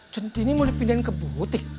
centini mau dipindahin ke butik